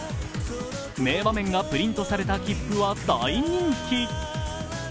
名場面がプリントされた切符は大人気。